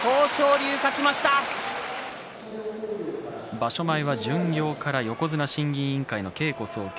場所前は巡業から横綱審議委員会の稽古総見